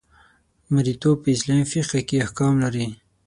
مرییتوب په اسلامي فقه کې احکام لري.